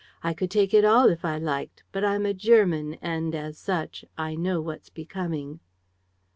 I could take it all, if I liked; but I'm a German and, as such, I know what's becoming.'